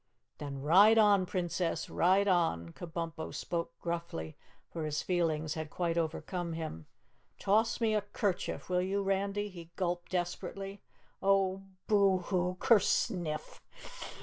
"Then ride on, Princess! Ride on!" Kabumpo spoke gruffly, for his feelings had quite overcome him. "Toss me a 'kerchief, will you, Randy?" he gulped desperately. "Oh, boo hoo, kerSNIFF!